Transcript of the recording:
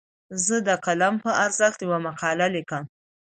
زه د قلم په ارزښت یوه مقاله لیکم.